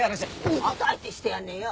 二度と相手してやんねえよ！